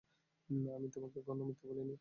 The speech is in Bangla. আমি তোমাকে কখনো মিথ্যা বলিনি, লিস।